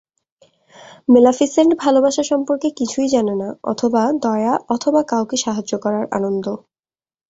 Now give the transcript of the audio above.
Maleficent ভালবাসা সম্পর্কে কিছুই জানেনা, অথবা দয়া অথবা কাউকে সাহায্য করার আনন্দ।